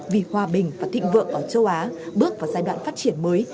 vì hòa bình và thịnh vượng ở châu á bước vào giai đoạn phát triển mới